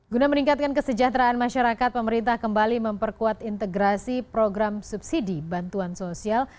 guna meningkatkan kesejahteraan masyarakat pemerintah kembali memperkuat integrasi program subsidi bantuan sosial